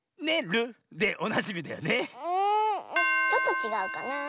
んちょっとちがうかなあ。